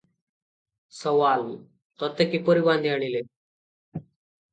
ସୱାଲ - ତୋତେ କିପରି ବାନ୍ଧି ଆଣିଲେ?